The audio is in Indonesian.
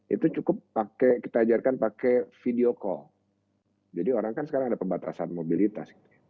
itu cukup kita ajarkan pakai video call jadi orang kan sekarang ada pembatasan mobilitas